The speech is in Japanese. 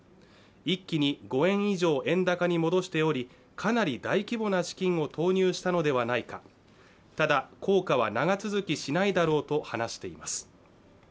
一気に５円以上円高に戻しておりかなり大規模な資金を投入したのではないかただ効果は長続きしないだろうと話しています